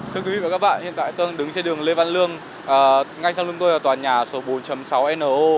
thưa quý vị và các bạn hiện tại tôi đang đứng trên đường lê văn lương ngay sau lưng tôi là tòa nhà số bốn sáu no